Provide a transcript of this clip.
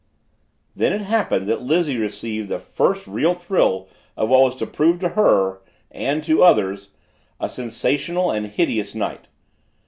Thus it happened that Lizzie received the first real thrill of what was to prove to her and to others a sensational and hideous night.